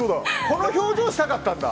この表情がしたかったんだ。